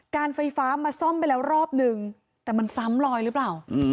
การไฟฟ้ามาซ่อมไปแล้วรอบนึงแต่มันซ้ำลอยหรือเปล่า